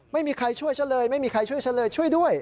ไม่มีใครช่วยฉันเลยไม่มีใครช่วยฉันเลยช่วยด้วย